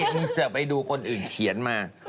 คุณเสือไปดูคนอื่นเขียนมา